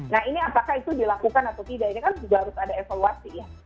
nah ini apakah itu dilakukan atau tidak ini kan juga harus ada evaluasi ya